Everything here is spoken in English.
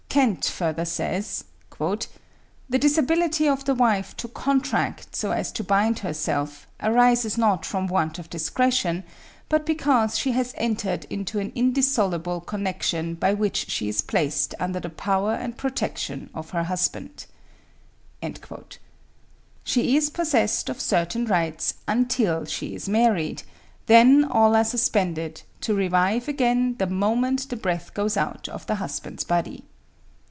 Kent further says: 'The disability of the wife to contract, so as to bind herself, arises not from want of discretion, but because she has entered into an indissoluble connection by which she is placed under the power and protection of her husband.' She is possessed of certain rights until she is married; then all are suspended, to revive, again, the moment the breath goes out of the husband's body.